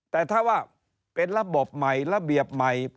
แต่ถ้าว่าเป็นระบบใหม่ระเบียบใหม่